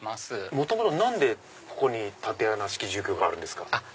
元々何でここに竪穴式住居があるんですか？